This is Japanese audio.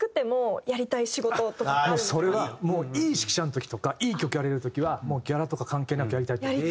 もうそれはいい指揮者の時とかいい曲やれる時はもうギャラとか関係なくやりたいと思う。